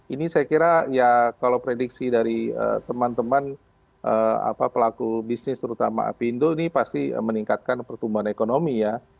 ini saya kira ya kalau prediksi dari teman teman pelaku bisnis terutama apindo ini pasti meningkatkan pertumbuhan ekonomi ya